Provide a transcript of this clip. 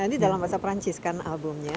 ini dalam bahasa perancis kan albumnya